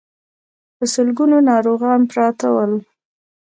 په سلګونو ناروغان پراته ول.